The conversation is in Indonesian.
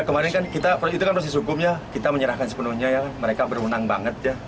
kemarin itu kan proses hukum kita menyerahkan sepenuhnya mereka berwenang banget